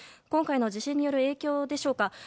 今回の地震による影響でしょうか